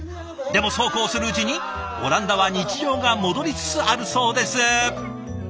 でもそうこうするうちにオランダは日常が戻りつつあるそうです。